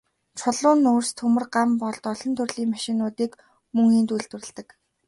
Чулуун нүүрс, төмөр, ган болд, олон төрлийн машинуудыг мөн энд үйлдвэрлэдэг.